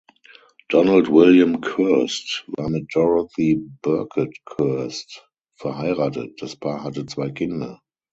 Donald William Kerst war mit Dorothy Birkett Kerst verheiratet, das Paar hatte zwei Kinder.